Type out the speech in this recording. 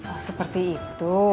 oh seperti itu